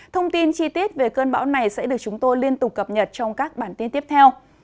thông tin chi tiết về cơn bão này sẽ được chúng tôi liên tục cập nhật trong các bản tin tiếp theo